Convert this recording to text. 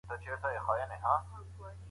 لويه جرګه به د عدالت د ټينګښت لپاره لاري لټوي.